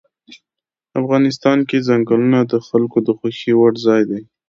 افغانستان کې ځنګلونه د خلکو د خوښې وړ ځای دی.